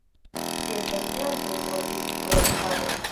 Kelkaj plantoj mortis pro la falo.